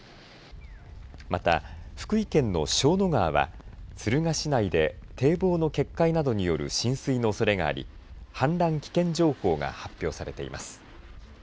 また、福井県の笙の川は敦賀市内で堤防の決壊などによる浸水のおそれがあり氾濫危険情報が発表されています。